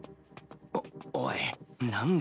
おおい何だ？